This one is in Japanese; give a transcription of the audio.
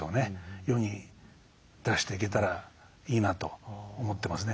世に出していけたらいいなと思ってますね。